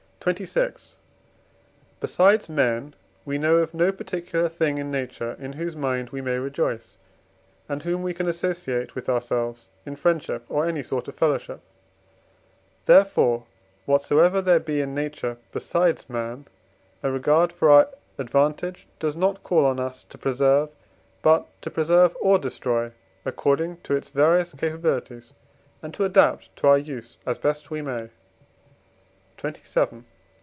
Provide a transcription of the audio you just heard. XXVI. Besides men, we know of no particular thing in nature in whose mind we may rejoice, and whom we can associate with ourselves in friendship or any sort of fellowship; therefore, whatsoever there be in nature besides man, a regard for our advantage does not call on us to preserve, but to preserve or destroy according to its various capabilities, and to adapt to our use as best we may. XXVII.